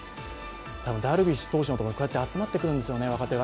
ダルビッシュ投手のところにこうやって集まってくるんですよね、若手が。